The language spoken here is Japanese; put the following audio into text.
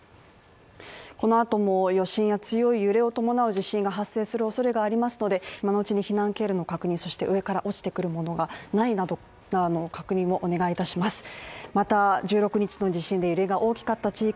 このあとも余震や強い揺れを伴う地震が発生するおそれがありますので、今のうちに避難経路の確認、それから上から落ちてくるものがないよう確認をお願いいたします。